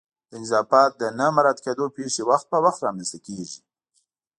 د نظافت د نه مراعت کېدو پیښې وخت په وخت رامنځته کیږي